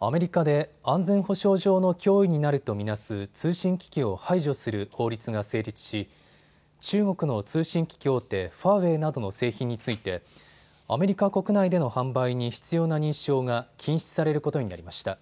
アメリカで安全保障上の脅威になると見なす通信機器を排除する法律が成立し、中国の通信機器大手、ファーウェイなどの製品についてアメリカ国内での販売に必要な認証が禁止されることになりました。